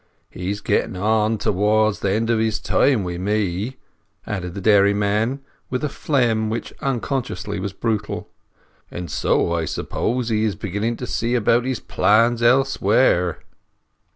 "He's getting on towards the end of his time wi' me," added the dairyman, with a phlegm which unconsciously was brutal; "and so I suppose he is beginning to see about his plans elsewhere."